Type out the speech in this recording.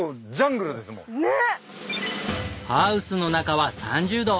ハウスの中は３０度。